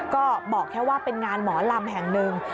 ก็บอกแค่ว่าเป็นงานหมอลำแห่งหนึ่ง